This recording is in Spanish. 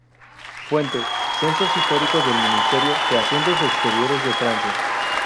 Fuente: Censos históricos del Ministerio de Asuntos Exteriores de Francia.